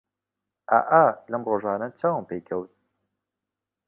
ئا ئا لەم ڕۆژانە چاوم پێی کەت